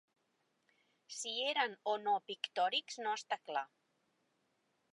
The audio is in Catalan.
Si eren o no pictòrics no està clar.